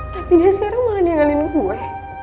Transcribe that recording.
tapi dia sekarang malah nyinggalin gue